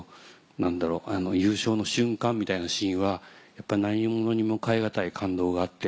何だろう優勝の瞬間みたいなシーンはやっぱ何物にも代え難い感動があって。